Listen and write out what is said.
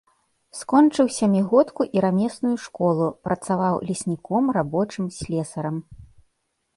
Скончыў сямігодку і рамесную школу, працаваў лесніком, рабочым, слесарам.